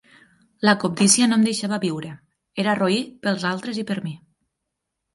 La cobdícia no em deixava viure, era roí pels altres i per mi.